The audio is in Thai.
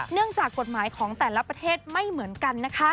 จากกฎหมายของแต่ละประเทศไม่เหมือนกันนะคะ